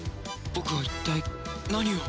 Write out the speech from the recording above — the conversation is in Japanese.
僕は一体何を。